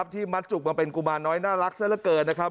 ที่มัดจุกมาเป็นกุมารน้อยน่ารักซะละเกินนะครับ